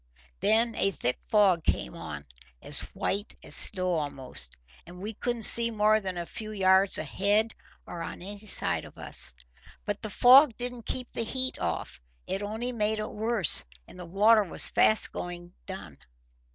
Then a thick fog came on, as white as snow a'most, and we couldn't see more than a few yards ahead or on any side of us. But the fog didn't keep the heat off; it only made it worse, and the water was fast going done.